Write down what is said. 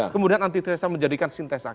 kemudian antitesa menjadikan sintesa